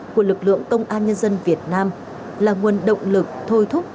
của lực lượng công an nhân dân việt nam là nguồn động lực thôi thúc